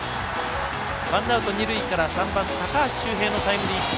ワンアウト、二塁から３番高橋周平のタイムリーヒット。